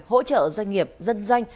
hỗ trợ doanh nghiệp dân doanh